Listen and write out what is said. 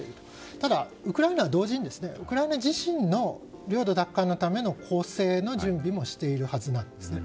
ただウクライナは同時にウクライナ自身の領土奪還のための攻勢の準備もしているはずなんですね。